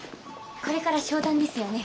これから商談ですよね？